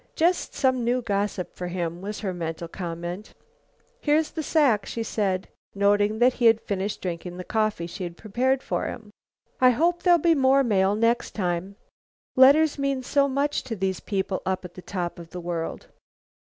Just some new gossip for him, was her mental comment. "Here's the sack," she said, noting that he had finished drinking the coffee she had prepared for him. "I hope there'll be more mail next time. Letters mean so much to these people up at the top of the world.